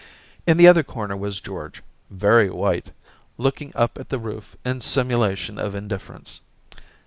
In the other corner was George, very white, looking up at the roof in simulation of indifference.